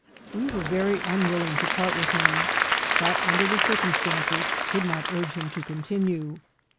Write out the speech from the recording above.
We were very un willing to part with him, but, under the circumstances, could not urge him to continue.